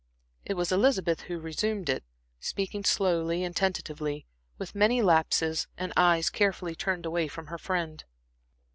It was Elizabeth who resumed it, speaking slowly and tentatively, with many lapses, and eyes carefully turned away from her friend.